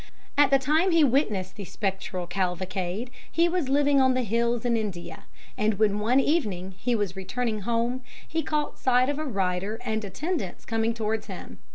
At the time he witnessed the spectral cavalcade he was living on the hills in India, and when one evening he was returning home he caught sight of a rider and attendants coming towards him.